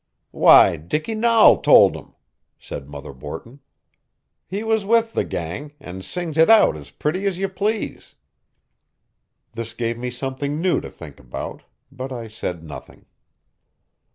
"Why, Dicky Nahl told 'em," said Mother Borton. "He was with the gang, and sings it out as pretty as you please." This gave me something new to think about, but I said nothing.